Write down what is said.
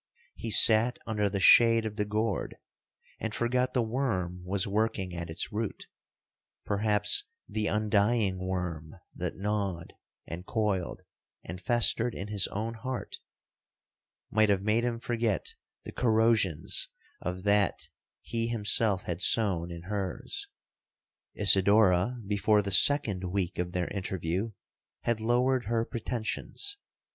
He sat under the shade of the gourd, and forgot the worm was working at its root;—perhaps the undying worm that gnawed, and coiled, and festered in his own heart, might have made him forget the corrosions of that he himself had sown in hers. 'Isidora, before the second week of their interview, had lowered her pretensions.